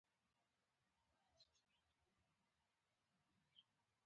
بېنډۍ له زیتونو سره نه، له غوړیو سره ښه ده